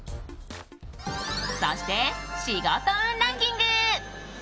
そして仕事運ランキング。